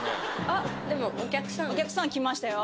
あっでもお客さんお客さん来ましたよ